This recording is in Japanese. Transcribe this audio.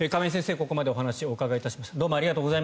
ここまでお話お伺いしました。